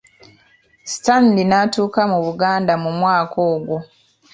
Stanley n'atuuka mu Buganda mu mwaka ogwo.